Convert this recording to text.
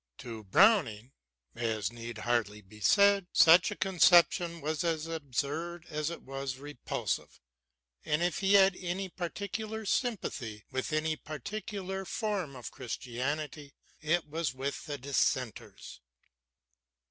To Browning, as need hardly be said, such a con ception was as absurd as it was repulsive ; and if he had any particular sympathy with any particu lar form of Christianity, it was with the Dis senters.